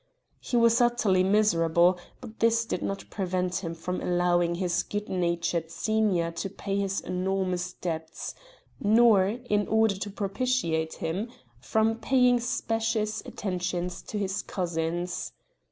He was utterly miserable, but this did not prevent him from allowing his good natured senior to pay his enormous debts, nor in order to propitiate him from paying specious attentions to his cousins.